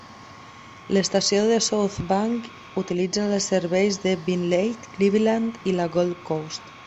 L'estació de South Bank utilitzen els serveis de Beenleigh, Cleveland i la Gold Coast.